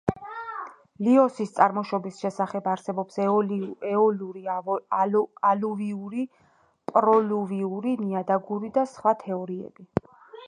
ლიოსის წარმოშობის შესახებ არსებობს ეოლური, ალუვიური, პროლუვიური, ნიადაგური და სხვა თეორიები.